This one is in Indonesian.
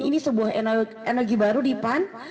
ini sebuah energi baru di pan